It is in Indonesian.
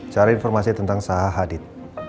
cari informasi tentang sahadid